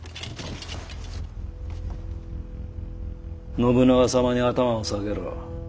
信長様に頭を下げろ。